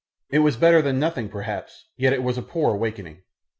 It was better than nothing perhaps, yet it was a poor awakening.